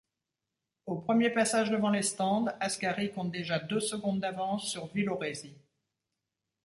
Au premier passage devant les stands, Ascari compte déjà deux secondes d'avance sur Villoresi.